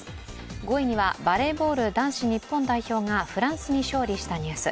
５位にはバレーボール男子日本代表がフランスに勝利したニュース。